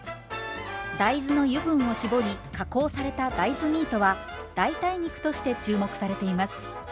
大豆の油分を搾り加工された大豆ミートは代替肉として注目されています。